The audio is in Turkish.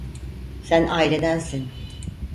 Sen ailedensin.